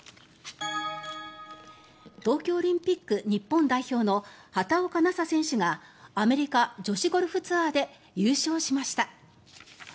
東京オリンピック日本代表の畑岡奈紗選手がアメリカ女子ゴルフツアーで優勝しました。